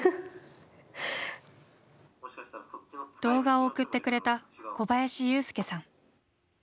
動画を送ってくれた小林勇介さん。